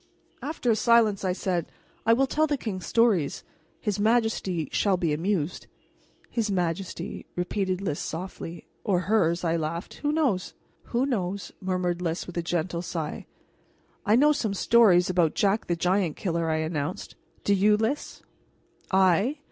After a silence I said: "I will tell the king stories. His majesty shall be amused." "His majesty," repeated Lys softly. "Or hers," I laughed. "Who knows?" "Who knows?" murmured Lys; with a gentle sigh. "I know some stories about Jack the Giant Killer," I announced. "Do you, Lys?" "I?